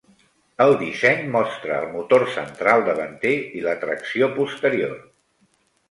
El disseny mostra el motor central davanter i la tracció posterior.